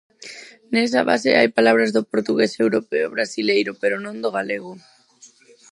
Nesa base hai palabras do portugués europeo e brasileiro, pero non do galego.